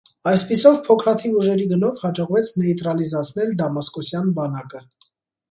Այսպիսով փոքրաթիվ ուժերի գնով հաջողվեց նեյտրալիզացնել դամասկոսյան բանակը։